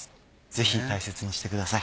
ぜひ大切にしてください。